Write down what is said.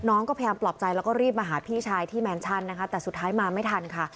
น้องก็พยายามปลอบใจแล้วก็รีบมาหาพี่ชายที่แมนชั่นนะคะแต่สุดท้ายมาไม่ทันค่ะ